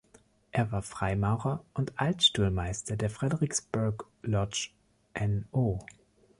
Er war Freimaurer und Alt-Stuhlmeister der "Fredericksburg Lodge No.